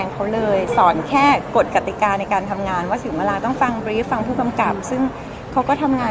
เป็นกันเองถ้าได้เป็นแสดง